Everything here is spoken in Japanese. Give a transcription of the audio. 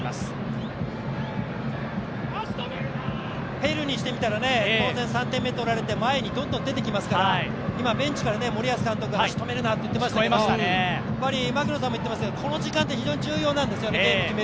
ペルーにしてみたら当然３点目取られて前にどんどん出てきますから今、ベンチからね森保監督が「足止めるな」と声が聞こえましたがこの時間、非常に重要なんですよね。